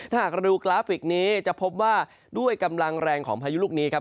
ถ้าหากดูกราฟิกนี้จะพบว่าด้วยกำลังแรงของพายุลูกนี้ครับ